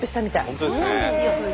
本当ですね。